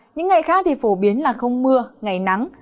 những ngày khác thì phổ biến là không mưa ngày nắng